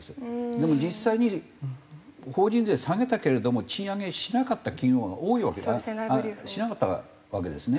でも実際に法人税下げたけれども賃上げしなかった企業のほうが多いわけだからしなかったわけですね。